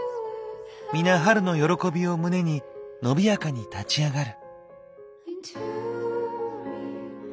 みな春の喜びを胸に伸びやかに立ち上がる。